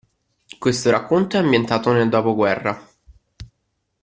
Questo racconto è ambientato nel dopoguerra.